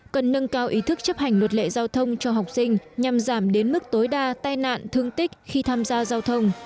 cần nâng cao ý thức chấp hành luật lệ giao thông cho học sinh nhằm giảm đến mức tối đa tai nạn thương tích khi tham gia giao thông